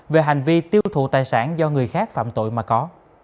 về hành vi tiêu thụ tài sản do người khác phạm tội mà có